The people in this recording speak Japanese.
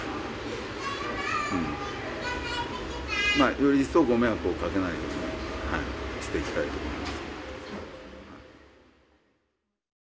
まあより一層ご迷惑をかけないようにしていきたいと思います。